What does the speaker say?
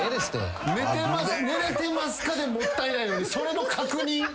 「寝れてますか？」でもったいないのにそれの確認？